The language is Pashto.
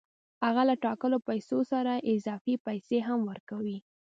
هغه له ټاکلو پیسو سره اضافي پیسې هم ورکوي